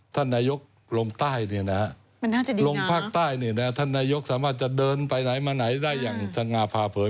ท่านนายกลงพารส์ใต้อย่างนี้นะท่านนายกสามารถจะเดินไปใหม่มาไหนได้อย่างสงาภาเผย